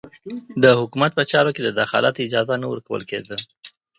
د حکومت په چارو کې د دخالت اجازه نه ورکول کېده.